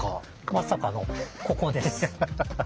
まさかのここです。